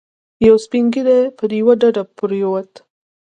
یو سپین ږیری پر یوه ډډه پروت و.